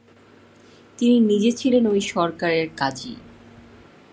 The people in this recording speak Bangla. তিনি নিজে ছিলেন ওই সরকারের কাজী।